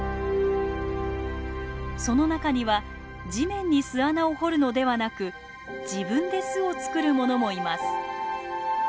その中には地面に巣穴を掘るのではなく自分で巣を作るものもいます。